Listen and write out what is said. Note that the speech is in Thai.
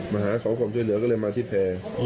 มาหาขอความช่วยเหลือก็เลยมาที่แพร่